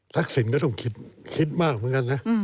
ลักษณ์ก็ต้องคิดมากเหมือนกันนะ